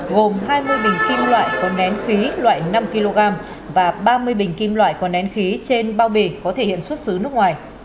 gồm hai mươi bình kim loại có nén khí loại năm kg và ba mươi bình kim loại có nén khí trên bao bì có thể hiện xuất xứ nước ngoài